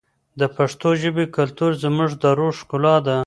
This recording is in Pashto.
د پښتو ژبې کلتور زموږ د روح ښکلا ده.